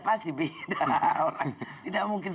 pasti beda tidak mungkin